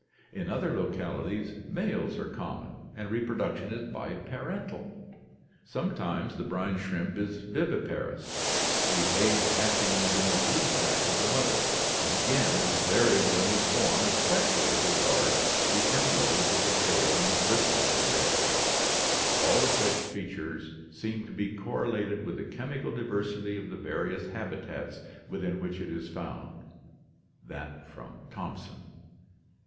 In other localities males are common and reproduction is biparental. Sometimes the brine shrimp is viviparous, the eggs hatching within the brood sac of the mother, and again it is variable in its form, especially as regards the end lobes of the tail and the bristles they bear: all of which features seem to be correlated with the chemical diversity of the various habitats within which it is found (Thomson).